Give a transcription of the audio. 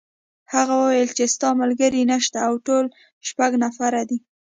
هغه وویل چې ستا ملګري نشته او ټول شپږ نفره دي.